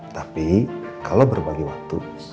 tapi kalo berbagi waktu